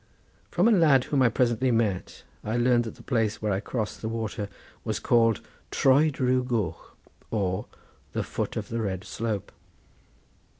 From a lad whom I presently met I learned that the place where I crossed the water was called Troed rhiw goch, or the Foot of the Red Slope.